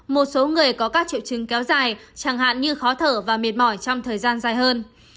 một số người có các triệu chứng kéo dài chẳng hạn như khó thở và mệt mỏi trong thời gian dài hơn